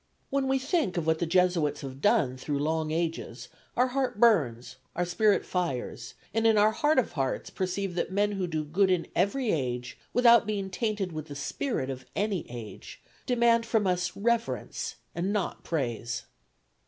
When we think of what the Jesuits have done through long ages, our heart burns, our spirit fires, and in our heart of hearts perceive that men who do good in every age, without being tainted with the spirit of any age, demand from us reverence and not praise.